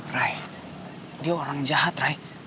rai dia orang jahat rai